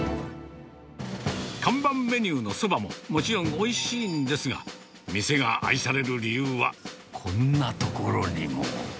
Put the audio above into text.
看板メニューのそばも、もちろんおいしいんですが、店が愛される理由は、こんなところにも。